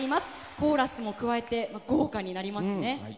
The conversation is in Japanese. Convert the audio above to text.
コーラスも加えて豪華になりますね。